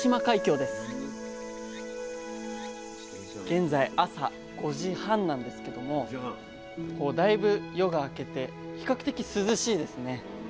現在朝５時半なんですけどもだいぶ夜が明けて比較的涼しいですね。